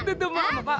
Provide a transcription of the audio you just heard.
tuh tuh tuh mak